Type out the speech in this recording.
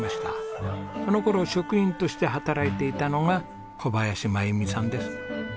その頃職員として働いていたのが小林まゆみさんです。